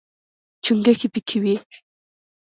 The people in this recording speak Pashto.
چونګښې پکې وي.